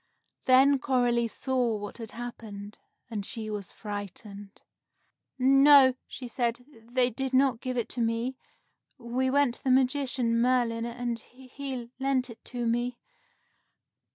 Then Coralie saw what had happened, and she was frightened. "No," she said, "they did not give it to me. We went to the magician, Merlin, and he lent it to me."